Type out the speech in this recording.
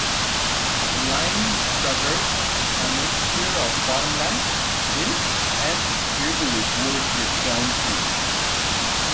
The line traversed a mixture of farmland, hills and heavily forested country.